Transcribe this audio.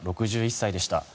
６１歳でした。